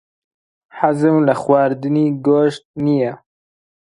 حەزم لە خواردنی گۆشت نییە.